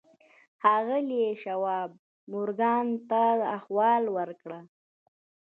ښاغلي شواب مورګان ته احوال ورکړ.